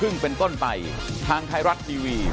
นะครับ